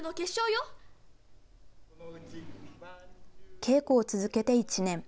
稽古を続けて１年。